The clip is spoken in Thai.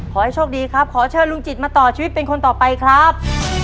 ขอให้โชคดีครับขอเชิญลุงจิตมาต่อชีวิตเป็นคนต่อไปครับ